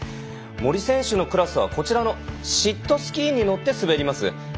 森選手のクラスはこちらのシットスキーに乗って滑ります。